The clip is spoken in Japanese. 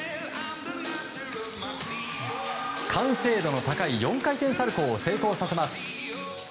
完成度の高い４回転サルコウを成功させます。